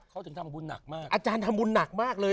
เขาถึงทำบุญหนักมากอาจารย์ทำบุญหนักมากเลย